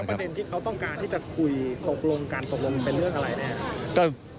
ประเด็นที่เขาต้องการที่จะคุยตกลงกันตกลงเป็นเรื่องอะไรนะครับ